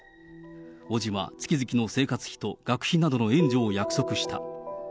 伯父は月々の生活費と学費などの援助を約束した。